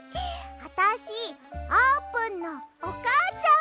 あたしあーぷんのおかあちゃん！